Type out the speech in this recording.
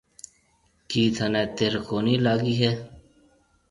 ڪِي ٿنَي تره ڪونهي لاگِي هيَ؟